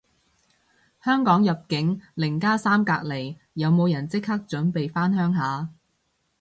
香港入境零加三隔離，有冇人即刻準備返鄉下